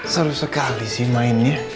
seru sekali sih mainnya